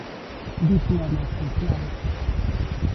Diploma especial.